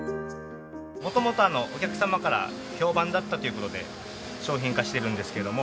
元々お客様から評判だったという事で商品化しているんですけれども。